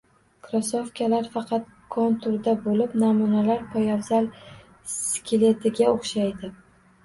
Krossovkalar faqat konturda bo‘lib, namunalar poyabzal skeletiga o‘xshaydi